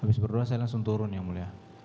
habis berdua saya langsung turun yang mulia